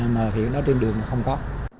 mà hiện đó trên đường không có